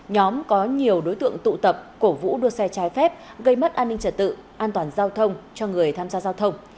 nhóm có nhiều đối tượng tụ tập cổ vũ đua xe trái phép gây mất an ninh trật tự an toàn giao thông cho người tham gia giao thông